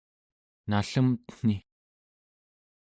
nallemten̄i